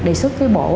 đề xuất với bộ